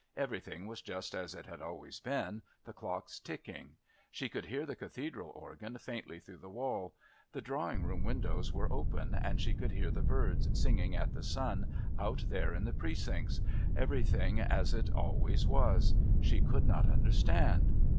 Everything was just as it had always been, the clocks ticking. She could hear the Cathedral organ faintly through the wall. The drawing room windows were open, and she could hear the birds, singing at the sun, out there in the Precincts. Everything as it always was. She could not understand.